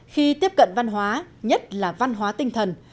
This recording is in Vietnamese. khi tiếp cận văn hóa nhất là văn hóa tinh thần